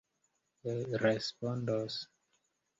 respondos